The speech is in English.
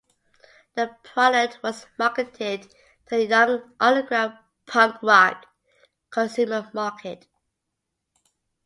The product was marketed to the "young underground punk rock" consumer market.